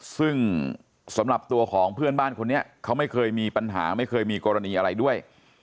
ซึ่งสำหรับตัวของเพื่อนบ้านคนนี้เขาไม่เคยมีปัญหาไม่เคยมีกรณีอะไรด้วย